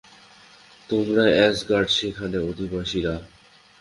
তোমরাই অ্যাসগার্ড, সেখানের অধিবাসীরা।